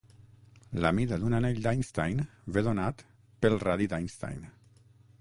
La mida d'un anell d'Einstein ve donat pel radi d'Einstein.